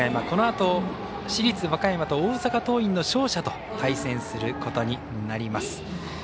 このあと市立和歌山と大阪桐蔭の勝者と対戦することになります。